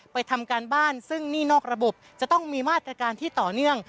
ทำการบ้านซึ่งหนี้นอกระบบจะต้องมีมาตรการที่ต่อเนื่อง